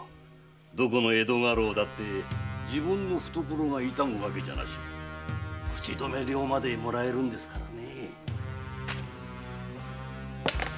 どこの江戸家老だって自分の懐が痛むわけじゃなし口止め料までもらえますからね。